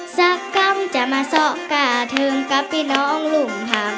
สักกรรมจะมาสอก่าถึงกับพี่น้องลุงค่ะ